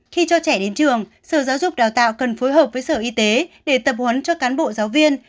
khi cho trẻ đến trường sở giáo dục đào tạo cần phối hợp với sở y tế để tập huấn cho cán bộ giáo viên